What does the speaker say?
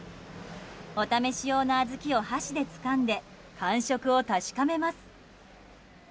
お試し用の小豆を箸でつかんで感触を確かめます。